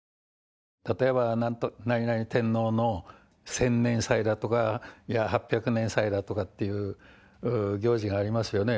例えば何々天皇の千年祭だとか、８００年祭だとかっていう行事がありますよね。